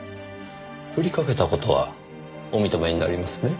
ふりかけた事はお認めになりますね？